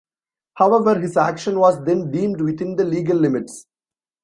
However his action was then deemed within the legal limits.